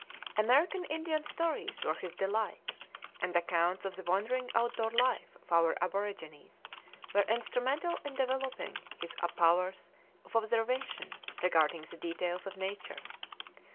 American Indian stories were his delight, and accounts of the wandering outdoor life of our aborigines were instrumental in developing his powers of observation regarding the details of nature.